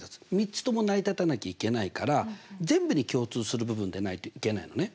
３つとも成り立たなきゃいけないから全部に共通する部分でないといけないのね。